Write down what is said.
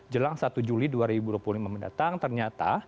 jelang satu juli dua ribu dua puluh lima mendatang ternyata